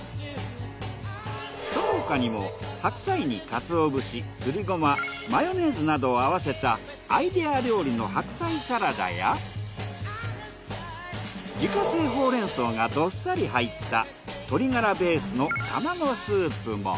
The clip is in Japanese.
その他にも白菜にかつおぶしすりゴママヨネーズなどを合わせたアイデア料理の白菜サラダや自家製ほうれん草がどっさり入った鶏がらベースの玉子スープも。